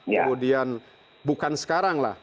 kemudian bukan sekarang lah